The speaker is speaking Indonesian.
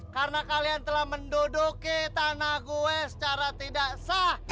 karena kalian telah mendodoki tanah gue secara tidak sah